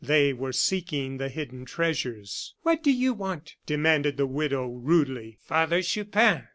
They were seeking the hidden treasures. "What do you want?" demanded the widow, rudely. "Father Chupin."